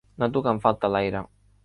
Noto que em falta l'aire.